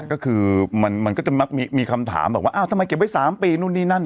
ก็คือมันก็จะมีคำถามว่าอ่ะทำม่อยเก็บไว้สามปีนู้นนี่นั่น